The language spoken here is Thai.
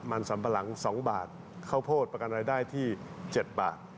มันสัมปะหลัง๒บาทข้าวโพดประกันรายได้ที่๗บาท